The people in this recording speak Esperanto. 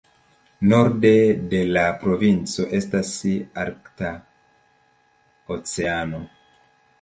Norde de la provinco estas Arkta Oceano.